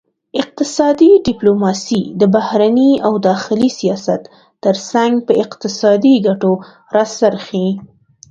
اقتصادي ډیپلوماسي د بهرني او داخلي سیاست ترڅنګ په اقتصادي ګټو راڅرخي